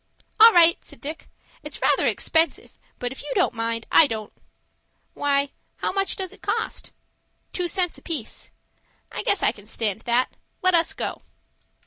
"All right!" said Dick. "It's rather expensive; but if you don't mind, I don't." "Why, how much does it cost?" "Two cents apiece." "I guess I can stand that. Let us go."